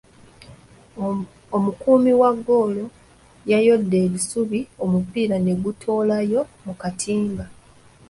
Omukuumi wa ggoolo yayodde bisubi omupiira ne gutoolayo mu katimba.